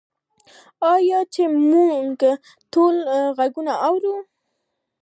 آیا چې موږ ټول یې نه غواړو؟